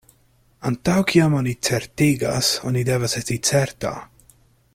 Antaŭ kiam oni certigas, oni devas esti certa.